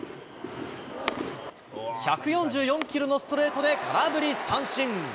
１４４キロのストレートで空振り三振。